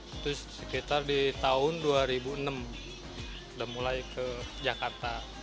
itu sekitar di tahun dua ribu enam sudah mulai ke jakarta